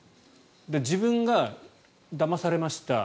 自分がだまされました